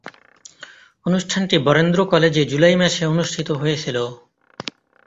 অনুষ্ঠানটি বরেন্দ্র কলেজে জুলাই মাসে অনুষ্ঠিত হয়েছিলো।